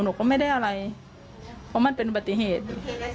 หนูก็ไม่ได้อะไรเพราะมันเป็นอุบัติเหตุ